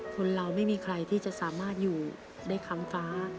คนเราไม่มีใครที่จะสามารถอยู่ได้ค้ำฟ้า